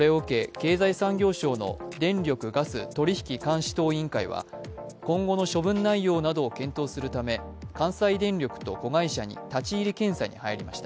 経済産業省の電力・ガス取引監視等委員会は今後の処分内容などを検討するため関西電力と子会社に立ち入り検査に入りました。